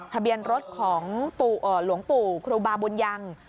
ทะเบียนรถของหลวงปู่ครูบาบุญยัง